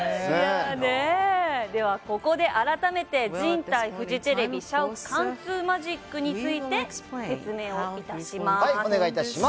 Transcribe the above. では、ここであらためて人体フジテレビ社屋貫通マジックについて説明をいたします。